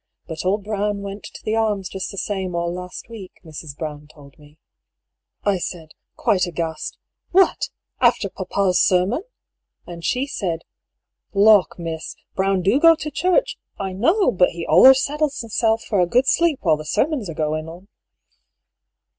But old Brown went to the Arms just the same all last week, Mrs. Brown told me. I said, quite aghast: 'What! after papa's sermon?' And she said: *Lawk, miss, Brown do go to church, I know, but he aJlers settles hisself for a good sleep while the sermon's a goin' on.'